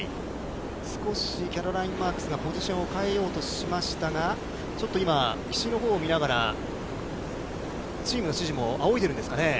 少しキャロライン・マークスがポジションを変えようとしましたが、ちょっと今、岸のほうを見ながら、チームの指示を仰いでいるんですかね。